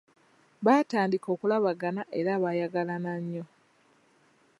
Baatandika okulabagana era baayagalana nnyo.